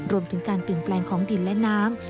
รวมถึงการเปลี่ยนแปลงของดินและน้ำ